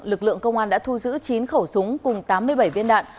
lực lượng công an đã thu giữ chín khẩu súng cùng tám mươi bảy viên đạn